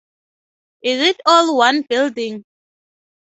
Is it all one building?